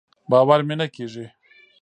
باور مې نۀ کېږي.